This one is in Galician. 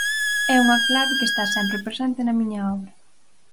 É unha clave que está sempre presente na miña obra.